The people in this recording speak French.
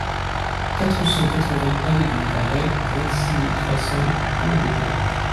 quatre cent quatre-vingts allée du Vivarais, vingt-six mille trois cents Bourg-de-Péage